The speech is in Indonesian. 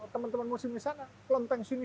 teman teman muslim di sana kelenteng sini